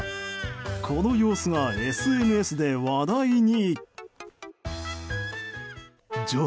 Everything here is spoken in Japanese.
この様子がＳＮＳで話題に。